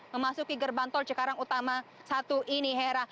memasuki gerbang tol cikarang utama satu ini hera